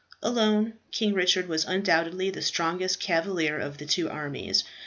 Alone, King Richard was undoubtedly the strongest cavalier of the two armies.